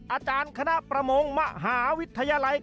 อาจารย์คณะประมงมหาวิทยาลัยกระทรวง